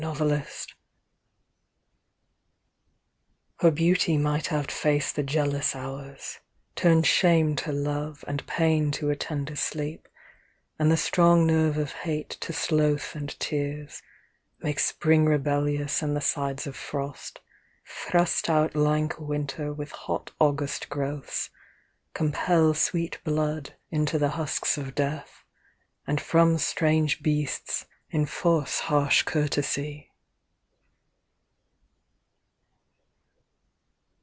CLEOPATRA "Her beauty might outface the jealous hours, Turn shame to love and pain to a tender sleep, And the strong nerve of hate to sloth and tears; Make spring rebellious in the sides of frost, Thrust out lank winter with hot August growths, Compel sweet blood into the husks of death, And from strange beasts enforce harsh courtesy."